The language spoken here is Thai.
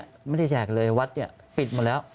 ยาไม่ได้แจกเลยวัดปิดหมดแล้ว